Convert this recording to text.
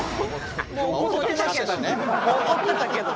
怒ってましたけどね。